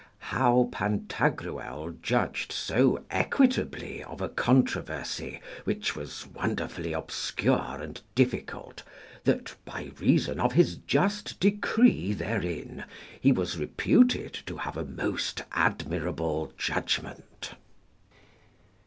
How Pantagruel judged so equitably of a controversy, which was wonderfully obscure and difficult, that, by reason of his just decree therein, he was reputed to have a most admirable judgment.